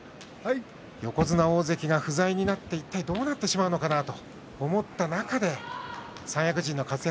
横綱、大関が不在になってどうなってしまうのかなと思った中で三役陣の活躍。